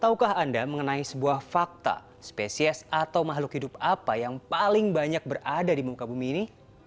tahukah anda mengenai sebuah fakta spesies atau makhluk hidup apa yang paling banyak berada di muka bumi ini